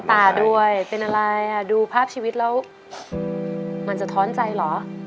ตาด้วยเป็นอะไรอ่ะดูภาพชีวิตแล้วมันจะท้อนใจเหรอ